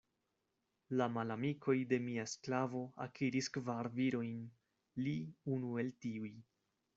La malamikoj de mia sklavo akiris kvar virojn; li, unu el tiuj.